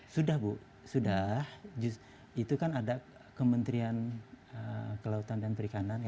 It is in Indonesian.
sudah bu sudah itu kan ada kementerian kelautan dan perikanan